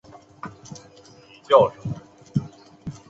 福州苎麻为荨麻科苎麻属下的一个变种。